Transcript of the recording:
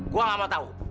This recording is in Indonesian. gue gak mau tahu